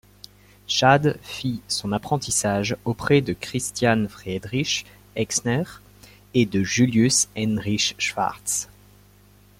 Schade fit son apprentissage auprès de Christian Friedrich Exner et de Julius Heinrich Schwarze.